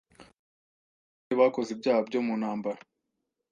umutwe yari ayoboye bakoze ibyaha byo mu ntambara